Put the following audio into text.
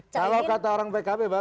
kalau kata orang pkb baru kita bisa